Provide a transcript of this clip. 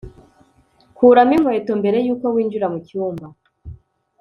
kuramo inkweto mbere yuko winjira mucyumba